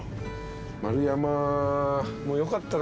丸山もよかったな。